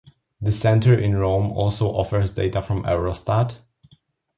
The center in Rome also offers data from Eurostat.